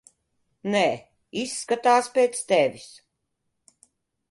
Nē, izskatās pēc tevis.